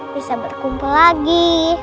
bisa berkumpul lagi